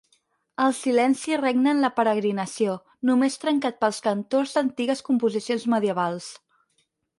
El silenci regna en la peregrinació, només trencat pels cantors d'antigues composicions medievals.